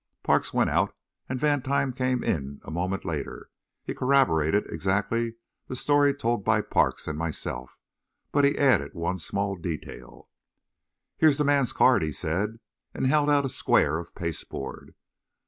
Parks went out, and Vantine came in a moment later. He corroborated exactly the story told by Parks and myself, but he added one detail. "Here is the man's card," he said, and held out a square of pasteboard.